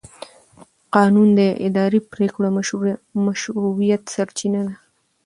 قانون د اداري پرېکړو د مشروعیت سرچینه ده.